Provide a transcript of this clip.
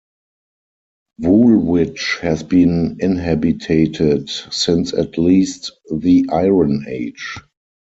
Woolwich has been inhabited since at least the Iron Age.